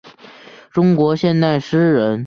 中国现代诗人。